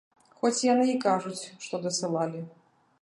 Хоць яны і кажуць, што дасылалі.